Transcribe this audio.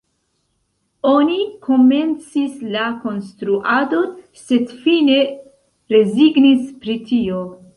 Oni komencis la konstruadon, sed fine rezignis pri tio.